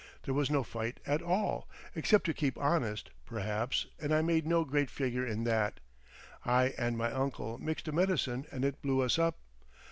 "There was no fight at all. Except to keep honest, perhaps and I made no great figure in that. I and my uncle mixed a medicine and it blew us up.